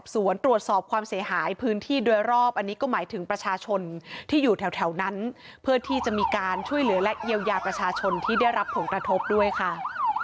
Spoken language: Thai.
ตรวจสอบความเสียหายพื้นที่โดยรอบอันนี้ก็หมายถึงประชาชนที่อยู่แถวนั้นเพื่อที่จะมีการช่วยเหลือและเยียวยาประชาชนที่ได้รับผลกระทบด้วยค่ะ